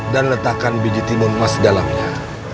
dan letakkan biji timun emas di dalamnya